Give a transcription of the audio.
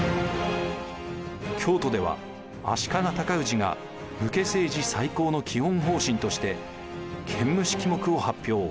京都では足利尊氏が武家政治再興の基本方針として建武式目を発表。